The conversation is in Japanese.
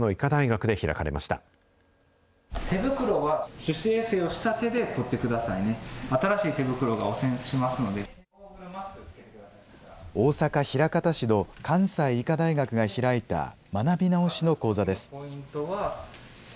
大阪・枚方市の関西医科大学が開いた学び直しの講座です。